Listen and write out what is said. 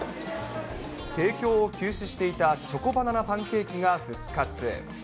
提供を休止していたチョコバナナパンケーキが復活。